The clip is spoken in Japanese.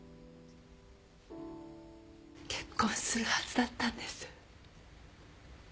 結婚するはずだったんです。